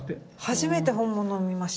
初めて本物を見ました。